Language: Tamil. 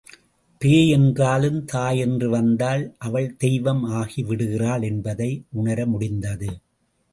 பேய் என்றாலும் தாய் என்று வந்தால் அவள் தெய்வம் ஆகிவிடுகிறாள் என்பதை உணர முடிந்தது.